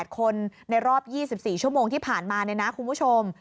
๘คนในรอบ๒๔ชั่วโมงที่ผ่านมาเนี่ยนะคุณผู้ชม